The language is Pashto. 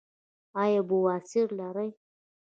ایا بواسیر لرئ؟